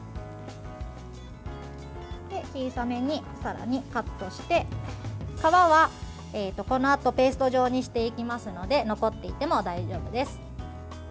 小さめに、さらにカットして皮は、このあとペースト状にしていきますので残っていても大丈夫です。